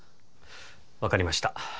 分かりました